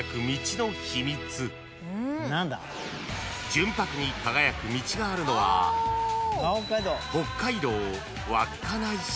［純白に輝く道があるのは北海道］